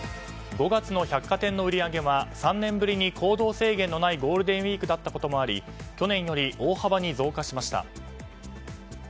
５月の百貨店の売り上げは３年ぶりに行動制限のないゴールデンウィークだったこともあり去年より大幅に増加しました。